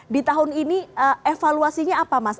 di tahun ini evaluasinya apa mas